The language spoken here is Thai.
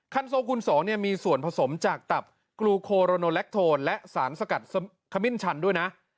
โซคูณ๒มีส่วนผสมจากตับกลูโคโรโนแลคโทนและสารสกัดขมิ้นชันด้วยนะ